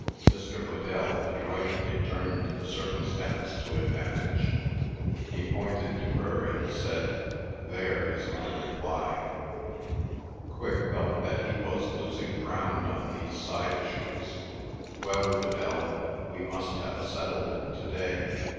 Mr. Whedell adroitly turned the circumstance to advantage. He pointed to her, and said, "There is my reply." Quigg felt that he was losing ground on these side issues. "Well, Whedell, we must have a settlement to day.